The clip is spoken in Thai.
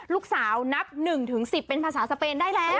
นับ๑๑๐เป็นภาษาสเปนได้แล้ว